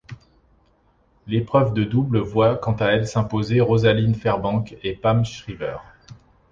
L'épreuve de double voit quant à elle s'imposer Rosalyn Fairbank et Pam Shriver.